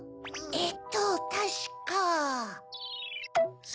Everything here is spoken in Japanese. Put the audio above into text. えっとたしか。